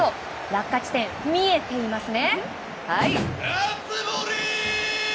落下地点、ミエていますね！